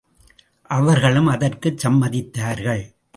அவர்களும் அதற்குச் சம்மதித்தார்கள்.